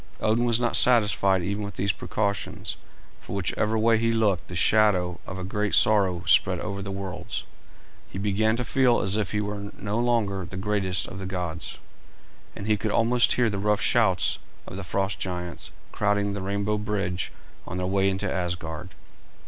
Odin was not satisfied even with these precautions, for whichever way he looked the shadow of a great sorrow spread over the worlds. He began to feel as if he were no longer the greatest of the gods, and he could almost hear the rough shouts of the frost giants crowding the rainbow bridge on their way into Asgard.